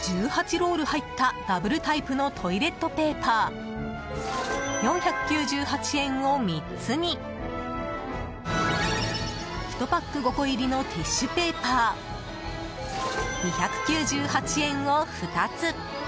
ロール入ったダブルタイプのトイレットペーパー４９８円を３つに１パック５個入りのティッシュペーパー２９８円を２つ。